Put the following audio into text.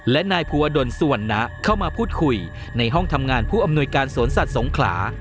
และนายภูวดลสวรรณะเข้ามาพูดคุยในห้องทำงานผู้อำนวยการสวนสัตว์สงขลา